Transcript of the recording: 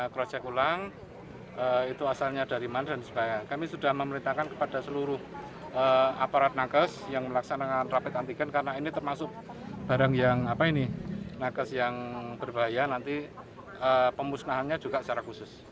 krocek ulang itu asalnya dari mandan kami sudah memerintahkan kepada seluruh aparat nakes yang melaksanakan rapet antigen karena ini termasuk barang yang berbahaya nanti pemusnahannya juga secara khusus